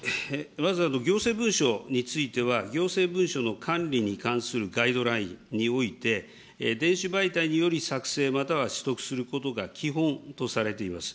まず行政文書については、行政文書の管理に関するガイドラインにおいて、電子媒体により作成または取得することが基本とされています。